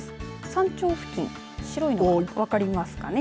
山頂付近白いのが、分かりますかね。